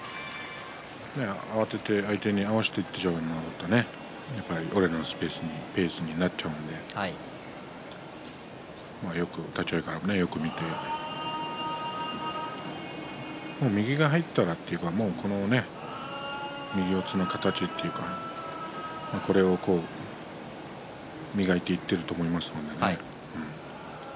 慌てて相手に合わせていってしまうと宇良のペースになってしまうのでよく立ち合いから見てもう右が入ったらというか右四つの形というかこれを磨いていってると思いますので。